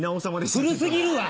古過ぎるわ！